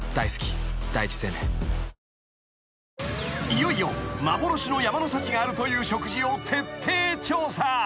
［いよいよ幻の山の幸があるという食事を徹底調査］